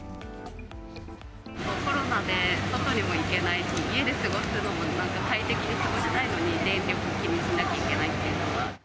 コロナで外にも行けないし、家で過ごすのにも快適に過ごしたいのに、電力気にしなきゃいけないっていうのは。